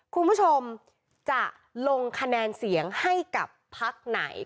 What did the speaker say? คุณผู้ชมจะลงคะแนนเสียงให้กับพักไหน